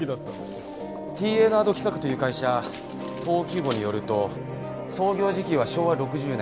ＴＮａｄ企画という会社登記簿によると創業時期は昭和６０年。